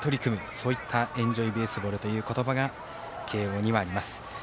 そういった「エンジョイベースボール」という言葉が慶応にはあります。